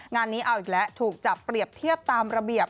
งานนี้เอาอีกแล้วถูกจับเปรียบเทียบตามระเบียบ